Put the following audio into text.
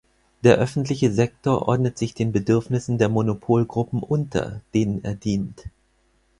Der öffentliche Sektor ordnet sich den Bedürfnissen der Monopolgruppen unter, denen er dient.